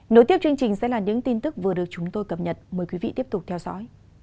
nối tiếp chương trình sẽ là những tin tức vừa được chúng tôi cập nhật mời quý vị tiếp tục theo dõi